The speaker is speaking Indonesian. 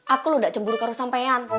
aku lu gak cemburu karu sampean